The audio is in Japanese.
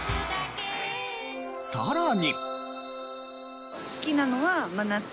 さらに。